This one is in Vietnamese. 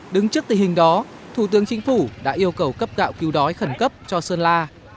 đứng trước tình hình đó thủ tướng chính phủ đã yêu cầu cấp gạo cứu đói khẩn cấp cho sơn la